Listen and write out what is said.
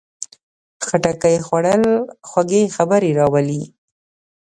خټکی خوړل خوږې خبرې راولي.